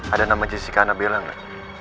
ada nama jessica anabela gak